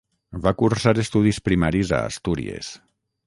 Va cursar estudis primaris a Astúries.